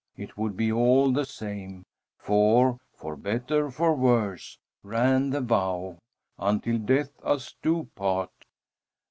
It would be all the same, for "for better, for worse," ran the vow, "until death us do part."